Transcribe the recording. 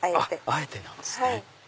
あえてなんですね。